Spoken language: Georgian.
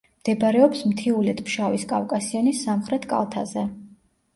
მდებარეობს მთიულეთ-ფშავის კავკასიონის სამხრეთ კალთაზე.